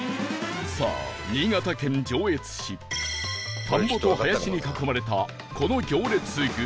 さあ新潟県上越市田んぼと林に囲まれたこの行列グルメ